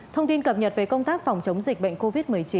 thông tin cập nhật về công tác phòng chống dịch bệnh covid một mươi chín